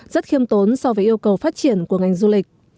rất khiêm tốn so với yêu cầu phát triển của ngành du lịch